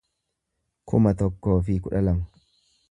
kuma tokkoo fi kudha lama